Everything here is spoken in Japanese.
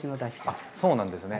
あっそうなんですね。